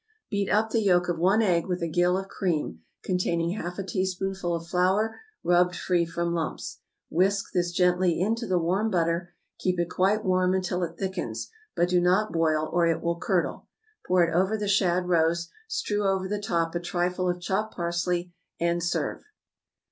Beat up the yolk of one egg with a gill of cream containing half a teaspoonful of flour rubbed free from lumps; whisk this gently into the warm butter; keep it quite warm until it thickens, but do not boil, or it will curdle. Pour it over the shad roes, strew over the top a trifle of chopped parsley, and serve.